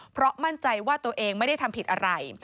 เพราะมั่นใจว่าตัวเองไม่ได้ทำผิดอะไร